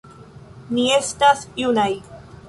Ni estas junaj.